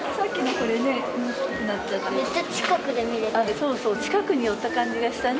そうそう近くに寄った感じがしたね。